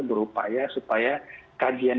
berupaya supaya kajian